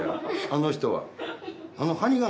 あの人は。